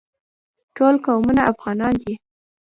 ټول قومونه افغانان دي